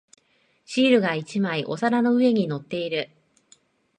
シールが一枚お皿の上に乗っている。